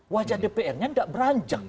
wajah dpr nya tidak beranjak